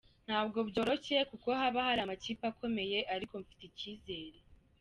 Ntabwo byoroshye kuko haba hari amakipe akomeye ariko mfite icyizere.